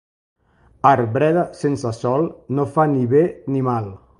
Arbreda sense sol no fa ni bé ni mal.